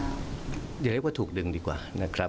เรียกว่าถูกดึงดีกว่านะครับ